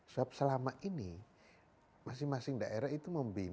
sebab selama ini masing masing daerah itu membina cabang